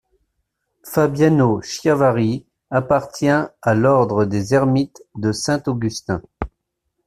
Fabiano Chiavari appartient à l'ordre des ermites de Saint-Augustin.